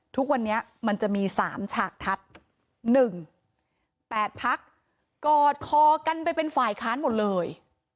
ทุกวันนี้มันจะมี๓ฉากทัศน์๑๘พักกอดคอกันไปเป็นฝ่ายค้านหมดเลย